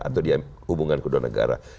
atau dia hubungan kedua negara